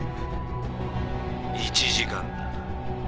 １時間だ。